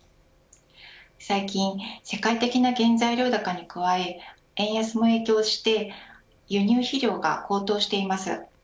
最近、世界的な原材料高に加え円安も影響して輸入肥料が高騰しています。